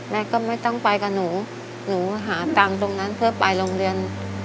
แม่ก็ไม่ต้องไปกับหนูหนูหาตังค์ตรงนั้นเพื่อไปโรงเรียน